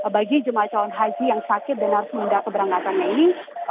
bagi jemaah calon haji yang sakit dan harus menunda keberangkatannya ini